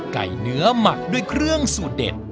เนื้อหมักด้วยเครื่องสูตรเด็ด